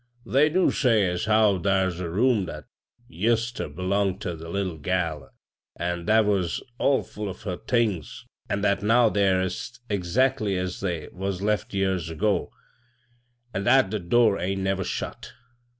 'They do say as how thar's a room that ised ter belong ter the little gal, an' that was ill full of her things ; an' ttiat now they're est exactly as they was left years ago, an' hat the door ain't never shut.